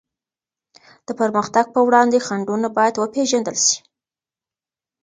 د پرمختګ په وړاندي خنډونه بايد وپېژندل سي.